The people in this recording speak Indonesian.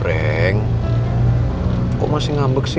pelan dort ages aja bisa sih